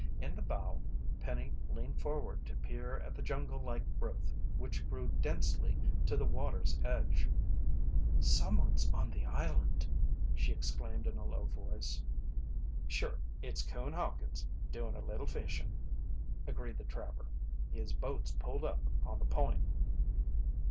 In the bow, Penny leaned forward to peer at the jungle like growth which grew densely to the water's edge. "Someone's on the island!" she exclaimed in a low voice. "Sure, it's Coon Hawkins doin' a little fishin'," agreed the trapper. "His boat's pulled up on the point."